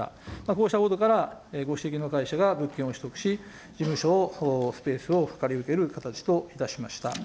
こうしたことから、ご指摘の会社が物件を取得し、事務所を、スペースを借り受ける形といたしました。